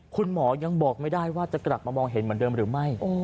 คุณหมอยังบอกไม่ได้ว่าจะกลับมามองเห็นเหมือนเดิมหรือไม่